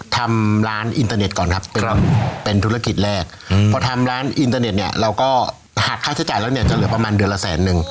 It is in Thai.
ทำร้านอินเตอร์เน็ตก่อนครับเป็นธุรกิจแรกพอทำร้านอินเตอร์เน็ตเนี่ยเราก็หักค่าใช้จ่ายแล้วเนี่ยจะเหลือประมาณเดือนละแสนนึง